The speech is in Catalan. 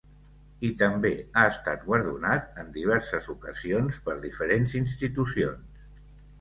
I també ha estat guardonat en diverses ocasions per diferents institucions.